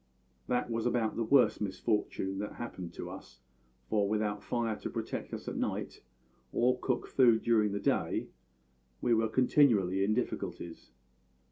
That was about the worst misfortune that happened to us, for without fire to protect us at night, or to cook food during the day, we were continually in difficulties.